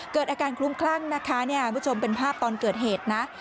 เกิดอาการคลุ้มคลั่งนะคะเนี่ยคุณผู้ชมเป็นภาพตอนเกิดเหตุนะ